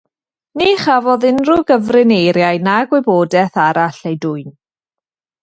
Ni chafodd unrhyw gyfrineiriau na gwybodaeth arall eu dwyn.